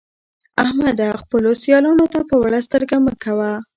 احمده! خپلو سيالانو ته په وړه سترګه مه ګوه.